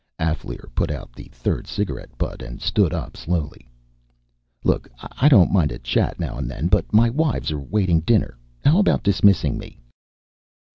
Alféar put out the third cigarette butt and stood up slowly. "Look, I don't mind a chat now and then, but my wives are waiting dinner. How about dismissing me?"